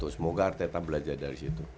semoga arteta belajar dari situ